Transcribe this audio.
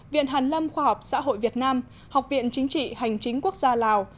viện hàn lâm khoa học xã hội việt nam học viện chính trị hành chính quốc gia lào